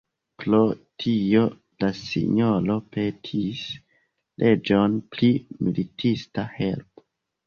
Pro tio la sinjoro petis reĝon pri militista helpo.